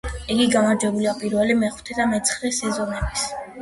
იგი გამარჯვებულია პირველი, მეხუთე და მეცხრე სეზონების.